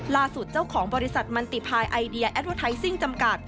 เจ้าของบริษัทมันติภายไอเดียแอดเวอร์ไทซิ่งจำกัด